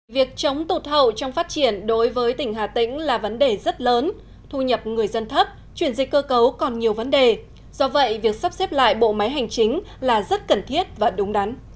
việc chống tụt hậu trong phát triển đối với tỉnh hà tĩnh là vấn đề rất lớn thu nhập người dân thấp chuyển dịch cơ cấu còn nhiều vấn đề do vậy việc sắp xếp lại bộ máy hành chính là rất cần thiết và đúng đắn